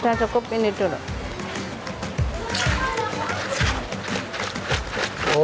udah cukup ini dulu